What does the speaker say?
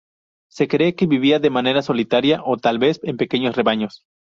Se cree que vivía de manera solitaria o tal vez en pequeños rebaños.